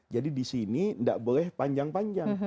jadi di sini tidak boleh panjang panjang